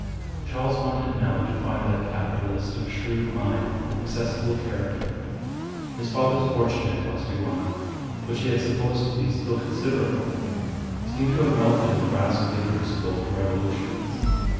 Charles wanted now to find that capitalist of shrewd mind and accessible character. His father's fortune in Costaguana, which he had supposed to be still considerable, seemed to have melted in the rascally crucible of revolutions.